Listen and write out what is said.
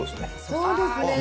そうですね。